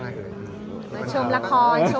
มาชมละคร